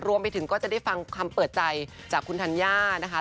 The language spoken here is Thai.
รวมไปถึงก็จะได้ฟังคำเปิดใจจากคุณธัญญานะคะ